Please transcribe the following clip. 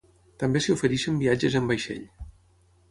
També s'hi ofereixen viatges en vaixell.